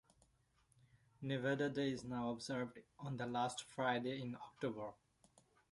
Nevada Day is now observed on the last Friday in October.